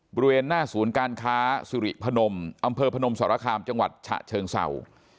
บริเวณหน้าศูนย์การค้าสุริพนมอำเภอพนมสรคามจังหวัดฉะเชิงเศร้า